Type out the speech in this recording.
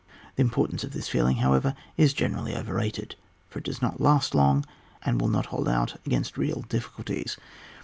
The importance of this feeling, however, is generally overrated ; for it does not last long, and will not hold out against real difficulties.